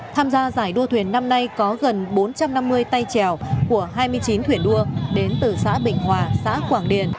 tham gia giải đua thuyền năm nay có gần bốn trăm năm mươi tay trèo của hai mươi chín thuyền đua đến từ xã bình hòa xã quảng điền